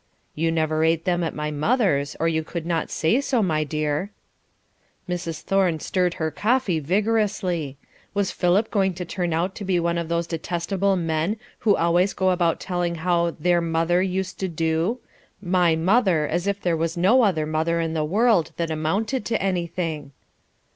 "You never ate them at my mother's or you could not say so, my dear." Mrs. Thorne stirred her coffee vigorously. Was Philip going to turn out to be one of those detestable men who always go about telling how "their mother" used to do; "my mother," as if there was no other mother in the world that amounted to anything.